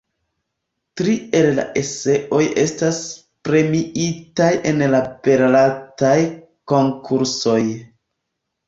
Tri el la eseoj estas premiitaj en la Belartaj Konkursoj.